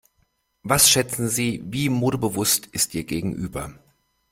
Was schätzen Sie, wie modebewusst ist Ihr Gegenüber?